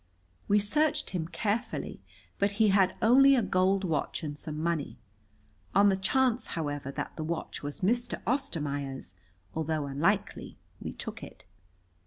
We searched him carefully, but he had only a gold watch and some money. On the chance, however, that the watch was Mr. Ostermaier's, although unlikely, we took it.